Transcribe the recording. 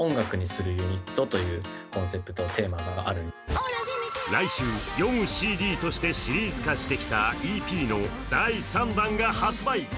更に来週、読むＣＤとしてシリーズ化してきたＥＰの第３弾が発売。